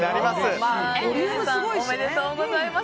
おめでとうございます。